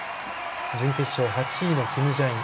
準決勝８位のキム・ジャイン。